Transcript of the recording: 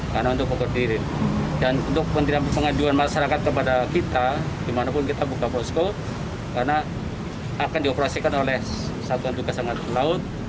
karena untuk pengaduan masyarakat kepada kita dimanapun kita buka posko karena akan dioperasikan oleh satuan dukas angkatan laut